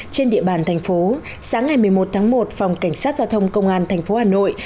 trên địa bàn thành phố sáng ngày một mươi một tháng một phòng cảnh sát giao thông công an thành phố hà nội